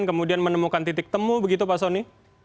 kemudian menemukan titik temu begitu pak soni